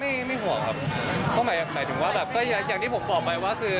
ไม่ไม่ห่วงครับเพราะหมายหมายถึงว่าแบบก็อย่างที่ผมบอกไปว่าคือ